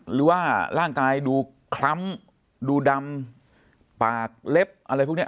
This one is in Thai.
หรือว่าร่างกายดูคล้ำดูดำปากเล็บอะไรพวกนี้